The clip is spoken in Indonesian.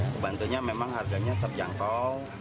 kebantunya memang harganya terjangkau